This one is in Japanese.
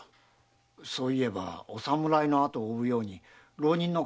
そういえばお侍の後を追うように浪人の方々が走っていきました。